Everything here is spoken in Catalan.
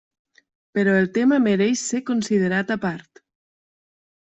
Però el tema mereix ser considerat a part.